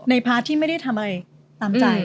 พาร์ทที่ไม่ได้ทำอะไรตามใจ